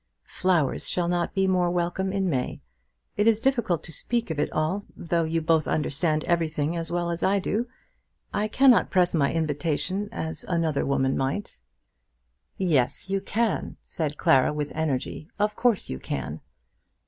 Flowers shall not be more welcome in May. It is difficult to speak of it all, though you both understand everything as well as I do. I cannot press my invitation as another woman might." "Yes, you can," said Clara with energy. "Of course you can."